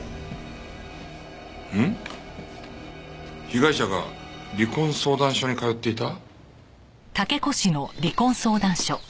被害者が離婚相談所に通っていた？